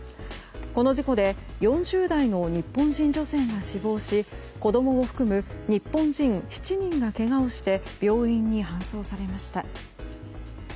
この事故で４０代の日本人女性が死亡し子供を含む日本人７人がけがをして病院に搬送されました。